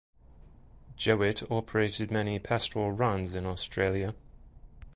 Jowett operated many pastoral runs in Australia.